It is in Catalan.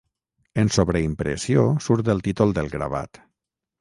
En sobreimpressió surt el títol del gravat.